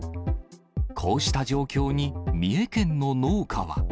こうした状況に、三重県の農家は。